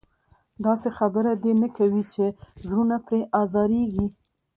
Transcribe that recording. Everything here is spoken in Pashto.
داسې خبره دې نه کوي چې زړونه پرې ازارېږي.